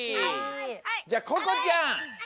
じゃあここちゃん。